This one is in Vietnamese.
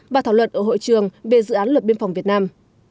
và thảo luận ở hội trường về dự án luật biên phòng việt nam